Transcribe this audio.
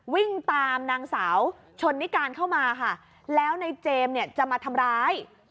วิ่งตามนางสาวชนนิการเข้ามาค่ะแล้วในเจมส์เนี่ยจะมาทำร้าย